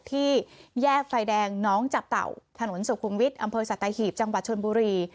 ที่แยกไฟแดงน้องจับเต่าถนนสุขุมวิทย์อำเภอสัตหีบจังหวัดชนบุรี